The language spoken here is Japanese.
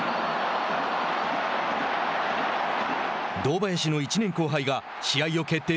堂林の１年後輩が試合を決定